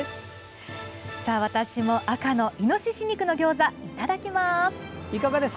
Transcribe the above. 私も赤のイノシシ肉の餃子をいただきます。